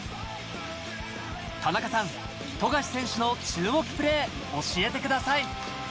田中さん、富樫選手の注目プレー、教えてください。